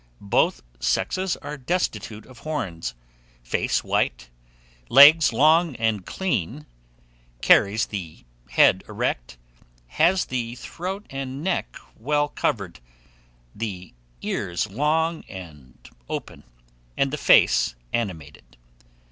Both sexes are destitute of horns, face white, legs long and clean, carries the head erect, has the throat and neck well covered, the cars long and open, and the face animated.